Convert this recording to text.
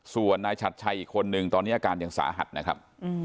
ส่วนนายชัดชัยอีกคนนึงตอนนี้อาการยังสาหัสนะครับ